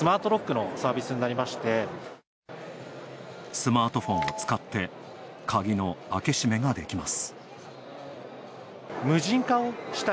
スマートフォンを使ってかぎの開け閉めができます。